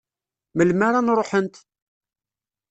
Melmi ara n-ruḥent?